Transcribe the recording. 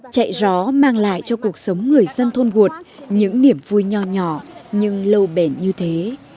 chạy gió mang lại cho cuộc sống người dân thôn gột những niềm vui nhỏ nhỏ nhưng lâu bền như thế